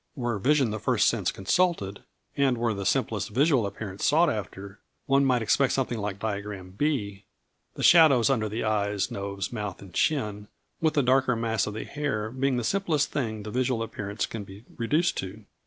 Were vision the first sense consulted, and were the simplest visual appearance sought after, one might expect something like diagram B, the shadows under eyes, nose, mouth, and chin, with the darker mass of the hair being the simplest thing the visual appearance can be reduced to.